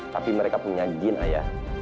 tapi mereka punya gin ayah